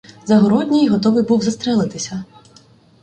Загородній готовий був застрелитися.